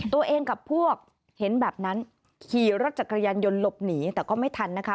ตัวเองกับพวกเห็นแบบนั้นขี่รถจักรยานยนต์หลบหนีแต่ก็ไม่ทันนะคะ